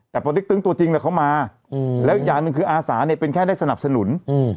แต่พอติ๊กตึ๊งตัวจริงเขามาแล้วอย่างหนึ่งคืออาสาเนี่ยเป็นแค่ได้สนับสนุน